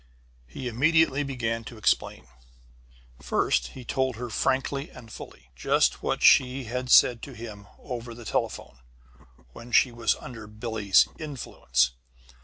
He immediately began to explain. First, he told her frankly and fully, just what she had said to him over the telephone, when she was under Billie's "influence."